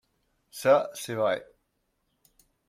Ça, c’est vrai.